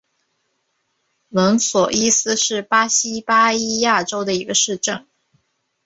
伦索伊斯是巴西巴伊亚州的一个市镇。